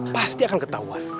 pasti akan ketahuan